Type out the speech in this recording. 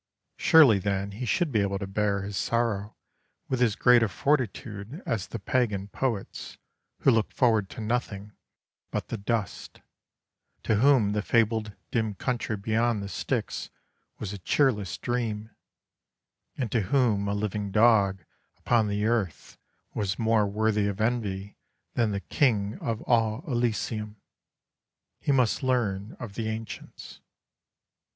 Surely then he should be able to bear his sorrow with as great a fortitude as the pagan poets, who looked forward to nothing but the dust; to whom the fabled dim country beyond the Styx was a cheerless dream, and to whom a living dog upon the earth was more worthy of envy than the King of all Elysium. He must learn of the ancients.